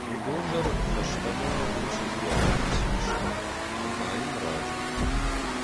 Уыдон дӕр фӕстӕмӕ уыцы дзуаппимӕ цыдысты: «Нырма йын раджы у».